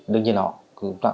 đúng ví dụ những người mà suy tin